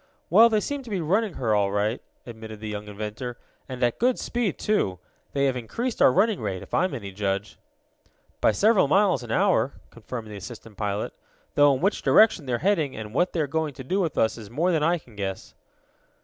"Well, they seem to be running her, all right," admitted the young inventor, "and at good speed, too. They have increased our running rate, if I am any judge." "By several miles an hour," confirmed the assistant pilot. "Though in which direction they are heading, and what they are going to do with us is more than I can guess."